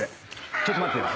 ちょっと待ってよ。